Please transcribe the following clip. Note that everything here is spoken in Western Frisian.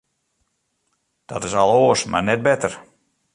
Dat is al oars, mar net better.